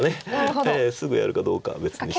すぐやるかどうかは別にして。